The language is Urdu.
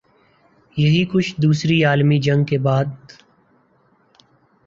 یہی کچھ دوسری عالمی جنگ کے بعد